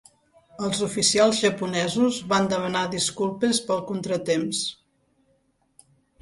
Els oficials japonesos van demanar disculpes pel contratemps.